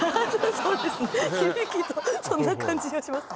そんな感じがしますね